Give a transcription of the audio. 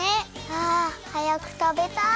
あはやくたべたい！